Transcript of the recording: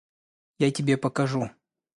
Я тебе покажу.